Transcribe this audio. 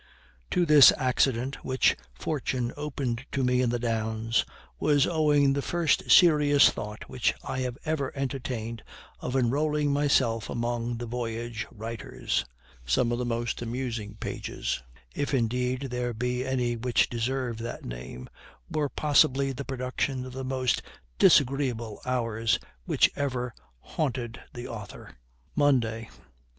To this accident, which fortune opened to me in the Downs, was owing the first serious thought which I ever entertained of enrolling myself among the voyage writers; some of the most amusing pages, if, indeed, there be any which deserve that name, were possibly the production of the most disagreeable hours which ever haunted the author. Monday.